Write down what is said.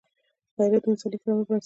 غیرت د انساني کرامت بنسټ دی